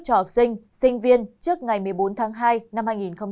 cho học sinh sinh viên trước ngày một mươi bốn tháng hai năm hai nghìn hai mươi